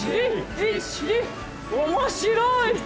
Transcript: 面白い！